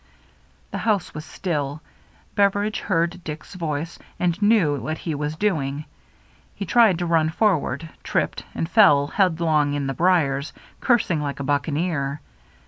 The house was still. Beveridge heard Dick's voice, and knew what he was doing. He tried to run forward, tripped, and fell headlong in the briers, cursing like a bucca neer.